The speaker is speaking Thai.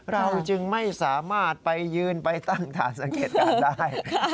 เราจึงไม่สามารถไปยืนไปตั้งฐานสังเกตการณ์ได้